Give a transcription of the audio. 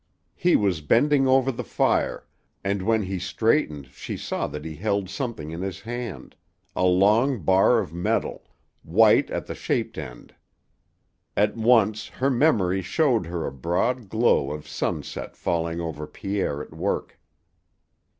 He was bending over the fire, and when he straightened she saw that he held something in his hand ... a long bar of metal, white at the shaped end. At once her memory showed her a broad glow of sunset falling over Pierre at work.